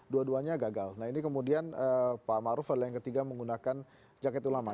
dua duanya gagal nah ini kemudian pak maruf adalah yang ketiga menggunakan jaket ulama